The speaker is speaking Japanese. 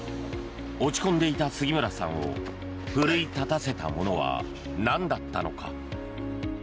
落ち込んでいた杉村さんを奮い立たせたものはなんだったのか。